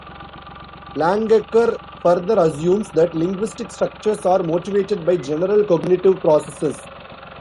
Langacker further assumes that linguistic structures are motivated by general cognitive processes.